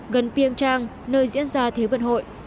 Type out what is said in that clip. gần pyeongchang nơi diễn ra thế vận hội